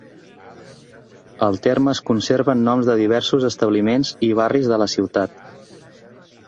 El terme es conserva en noms de diversos establiments i barris de la ciutat.